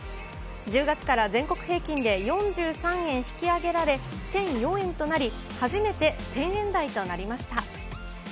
１０月から全国平均で４３円引き上げられ、１００４円となり、初めて１０００円台となりました。